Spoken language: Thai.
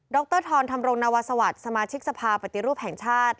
รทรธรรมรงนวสวัสดิ์สมาชิกสภาปฏิรูปแห่งชาติ